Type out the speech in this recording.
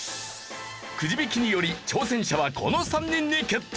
くじ引きにより挑戦者はこの３人に決定。